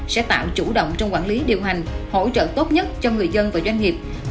sẽ tạo chủ động trong quản lý điều hành hỗ trợ tốt nhất cho người dân và doanh nghiệp